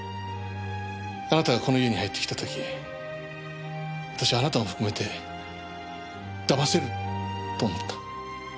あなたがこの家に入ってきた時私はあなたを含めて騙せると思った。